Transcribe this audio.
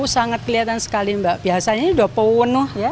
sangat kelihatan sekali mbak biasanya ini sudah pewenuh ya